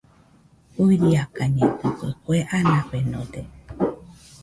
Fuiakañedɨkue, kue anafenode.